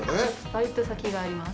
バイト先があります。